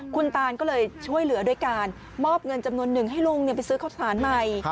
คุณตานก็เลยช่วยเหลือด้วยการมอบเงินจำนวนหนึ่งให้ลุงไปซื้อข้าวสารใหม่